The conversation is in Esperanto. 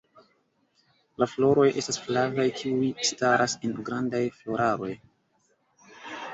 La floroj estas flavaj, kiuj staras en grandaj floraroj.